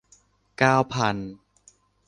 เก้าพัน